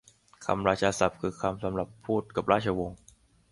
คำราชาศัพท์ คือคำศัพท์สำหรับพูดกับราชวงศ์